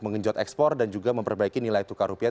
mengenjot ekspor dan juga memperbaiki nilai tukar rupiah